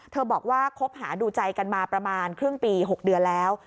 บอกว่าคบหาดูใจกันมาประมาณครึ่งปี๖เดือนแล้ว